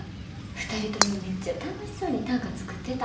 ２人ともめっちゃ楽しそうに短歌作ってた。